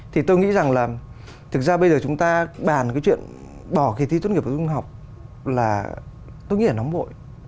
thì tôi nghĩ rằng là thực ra bây giờ chúng ta bàn cái chuyện bỏ kỳ thi tốt nghiệp và trung học là tôi nghĩ là nóng vội